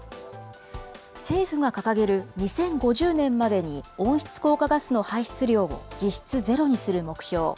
政府が掲げる２０５０年までに温室効果ガスの排出量を実質ゼロにする目標。